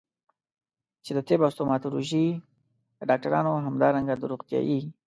چې د طب او ستوماتولوژي د ډاکټرانو او همدارنګه د روغتيايي